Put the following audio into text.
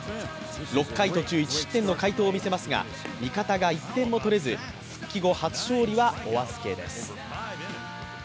６回途中１失点の快投を見せますが味方が１点も取れず復帰後初勝利はお預けです。